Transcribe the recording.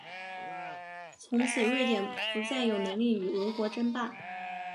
从此瑞典不再有能力与俄国争霸。